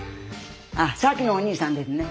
あっさっきのお兄さんですね。